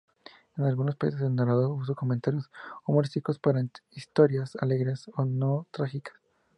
En algunos países, el narrador usó comentarios humorísticos para historias alegres o no trágicas.